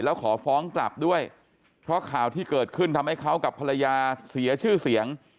แล้วขอฟ้องกลับด้วยเพราะข่าวที่เกิดขึ้นทำให้เขากับภรรยาเสียชื่อเสียง